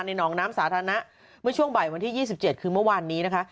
หนองน้ำสาธารณะเมื่อช่วงบ่ายวันที่๒๗คือเมื่อวานนี้นะคะ